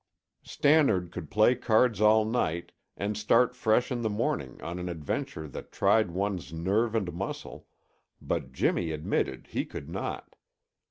Stannard could play cards all night and start fresh in the morning on an adventure that tried one's nerve and muscle, but Jimmy admitted he could not.